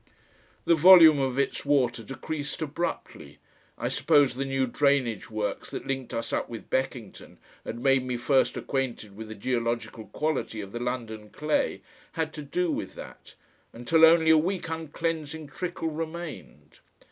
The volume of its water decreased abruptly I suppose the new drainage works that linked us up with Beckington, and made me first acquainted with the geological quality of the London clay, had to do with that until only a weak uncleansing trickle remained.